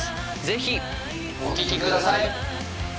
ぜひお聴きください。